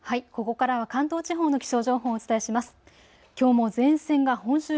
ここからは関東地方の気象情報をお伝えします。